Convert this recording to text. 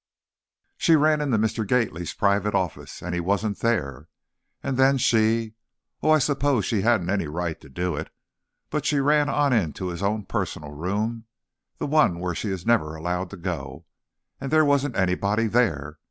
"She ran into Mr. Gately's private office, and, he wasn't there! And then she oh, I suppose she hadn't any right to do it, but she ran on to his own personal room, the one where she is never allowed to go, and there wasn't anybody there!